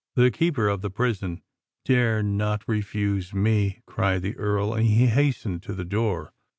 "The keeper of the prison dare not refuse me," cried the Earl; and he hastened to the door.